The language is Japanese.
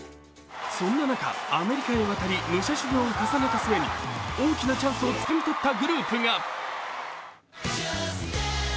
そんな中、アメリカへ渡り、武者修行を重ねた末に大きなチャンスをつかみ取ったグループが。